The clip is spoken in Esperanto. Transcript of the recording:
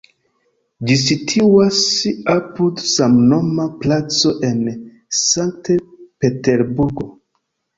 Ĝi situas apud samnoma placo en Sankt-Peterburgo.